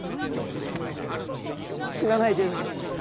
死なないでうみ。